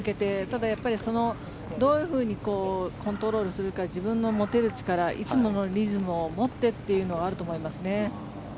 ただ、どういうふうにコントロールするか自分の持てる力いつものリズムを持ってというのはあると思いますね。